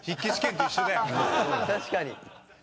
確かに。